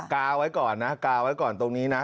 กาไว้ก่อนนะกาไว้ก่อนตรงนี้นะ